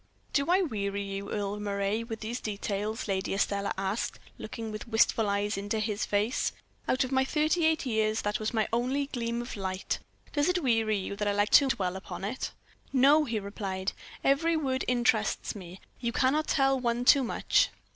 "Do I weary you, Earle Moray, with these details?" Lady Estelle asked, looking with wistful eyes into his face. "Out of my thirty eight years, that was my only gleam of light does it weary you that I like to dwell upon it?" "No," he replied, "every word interests me; you cannot tell one too much."